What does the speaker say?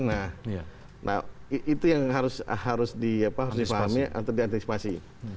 nah itu yang harus di antispasi